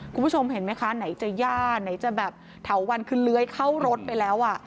คุณผู้ชมเห็นไหมคะไหนจะย่าไหนจะแบบเถาวันคือเลื้อยเข้ารถไปแล้วอ่ะ